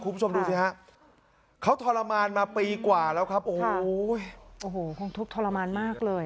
คุณผู้ชมดูสิฮะเขาทรมานมาปีกว่าแล้วครับโอ้โหโอ้โหคงทุกข์ทรมานมากเลย